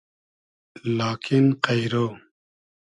لاکین قݷرۉ